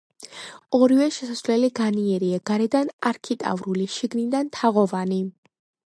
ორივე შესასვლელი განიერია, გარედან არქიტრავული, შიგნიდან თაღოვანი.